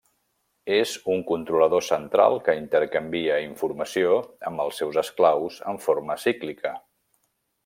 És un controlador central que intercanvia informació amb els seus esclaus en forma cíclica.